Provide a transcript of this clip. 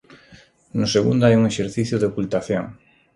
No segundo hai un exercicio de ocultación.